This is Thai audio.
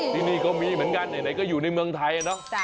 ที่นี่ก็มีเหมือนกันไหนก็อยู่ในเมืองไทยเนอะ